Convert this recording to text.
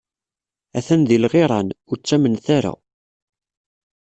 A-t-an di lɣiran, ur ttamnet ara!